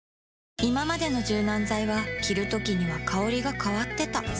いままでの柔軟剤は着るときには香りが変わってた